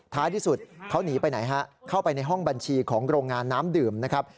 ท้ายที่สุดเขาหนีไปไหนฮะเข้าไปในห้องบัญชีของโรงงานน้ำดื่มนะครับ